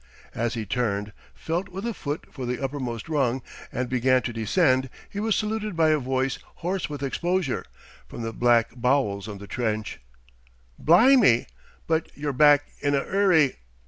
As he turned, felt with a foot for the uppermost rung, and began to descend, he was saluted by a voice hoarse with exposure, from the black bowels of the trench: "Blimy! but ye're back in a 'urry!